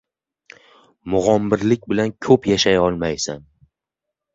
• Mug‘ombirlik bilan ko‘p yashay olmaysan.